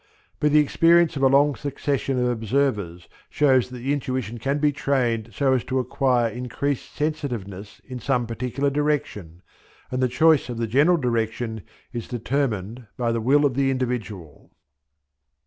But the experience of a long succession of observers shows that the intuition can be trained so as to acquire increased sensitiveness in some, particular direction, and the choice of the general direction is determined by the will of the individual.